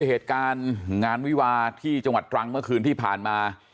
เหตุการณ์งานวิวาที่จังหวัดตรังเมื่อคืนที่ผ่านมา